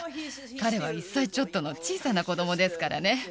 彼は１歳ちょっとの小さな子どもですからね。